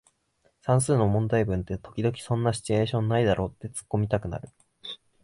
算数の問題文って時々そんなシチュエーションないだろってツッコミたくなる